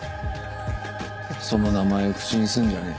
その名前を口にすんじゃねえ。